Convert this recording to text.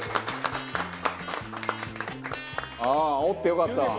ああ煽ってよかったわ。